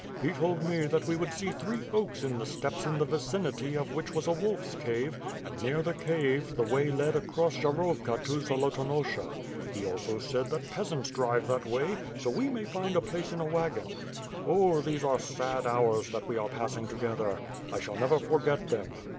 lie told me that we would see three oaks in the steppes in the vicinity of which was a wolf's cave, and near the cave, the way led across Jarovka to Zolotonosha. He also said that peasants drive that way, so we may find a place in a wagon. Oh, these are sad hours that we are passing together. 1 shall never forget them.